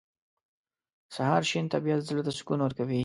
• د سهار شین طبیعت زړه ته سکون ورکوي.